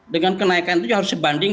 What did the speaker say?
dengan kenaikan itu harus sebanding